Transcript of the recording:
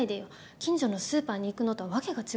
近所のスーパーに行くのとは訳が違うんだから。